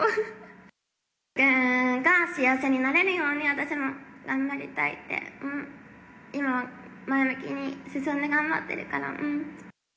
×××君が幸せになれるように、私も頑張りたいって、今、前向きに進んで頑張ってるから。